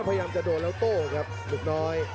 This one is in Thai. พยายามจะโดนแล้วโต้ครับลูกน้อย